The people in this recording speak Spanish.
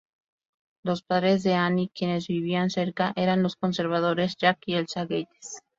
Los padres de Annie, quienes vivían cerca eran los conservadores Jack y Elsa Gates.